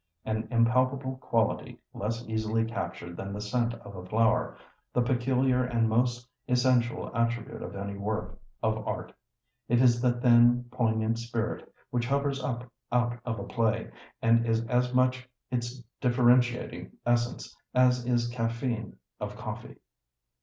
An impalpable quality, less easily captured than the scent of a flower, the peculiar and most essential attribute of any work of art! It is the thin, poignant spirit which hovers up out of a play, and is as much its differentiating essence as is caffeine of coffee.